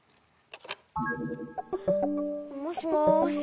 もしもし。